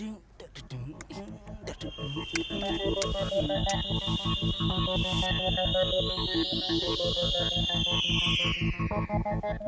namanya bagus aja